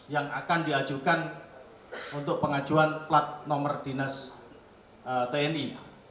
yang akan diajukan untuk pengajuan plat nomor dinas tni